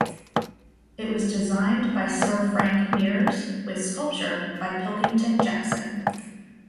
It was designed by Sir Frank Mears with sculpture by Pilkington Jackson.